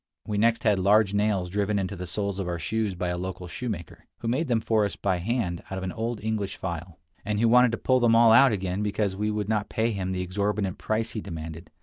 We next had large nails driven into the souls of our shoes by a local shoemaker, who made them for us by hand out of an old English file, and who wanted to pull them all out again because we would not pay him the exorbitant price he demanded.